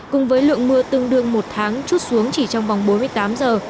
cùng với lượng mưa tương đương một tháng chút xuống chỉ trong vòng bốn mươi tám giờ